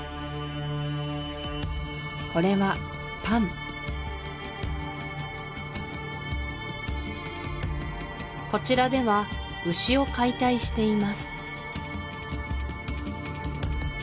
これはパンこちらでは牛を解体しています